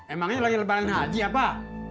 emangnya lagi lebaran haji apa